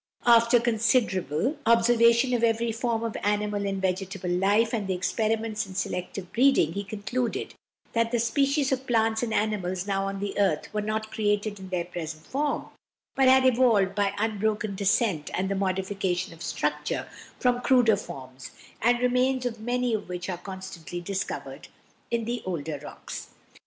After considerable observation of every form of animal and vegetable life and experiments in selective breeding he concluded that the species of plants and animals now on the earth were not created in their present form, but had been evolved by unbroken descent with modification of structure from cruder forms, the remains of many of which are constantly discovered in the older rocks.